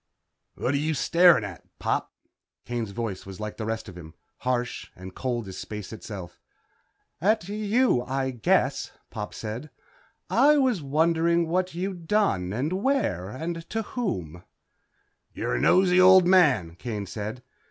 "What are you staring at, Pop?" Kane's voice was like the rest of him. Harsh and cold as space itself. "At you, I guess," Pop said, "I was wondering what you'd done and where and to whom." "You're a nosey old man," Kane said.